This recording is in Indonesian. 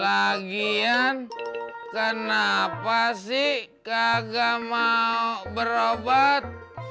bagian kenapa sih kagak mau berobat